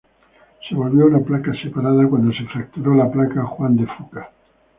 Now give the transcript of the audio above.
Se volvió una placa separada cuando se fracturó la placa Juan de Fuca.